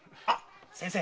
先生